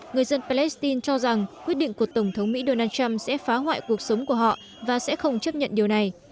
người dân palestine cho rằng quyết định của tổng thống mỹ donald trump sẽ phá hoại cuộc sống của họ và sẽ không chấp nhận điều này